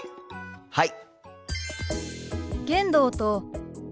はい！